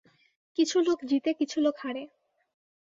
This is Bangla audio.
কিছু লোক জিতে, কিছু লোক হারে।